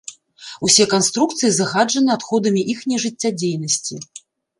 Усе канструкцыі загаджаны адходамі іхняй жыццядзейнасці.